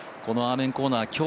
このアーメンコーナー